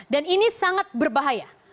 dan ini sangat berbahaya